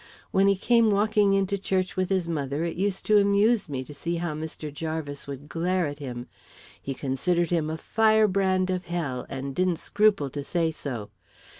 When he came walking into church with his mother, it used to amuse me to see how Mr. Jarvis would glare at him; he considered him a firebrand of hell, and didn't scruple to say so.